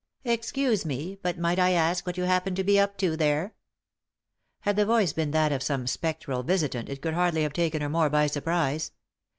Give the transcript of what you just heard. " Excuse me, but might I ask what you happen to be up to there ?" Had the voice been that of some spectral visitant it could hardly have taken her more by surprise.